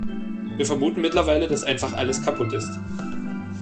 Wir vermuten mittlerweile, dass einfach alles kaputt ist.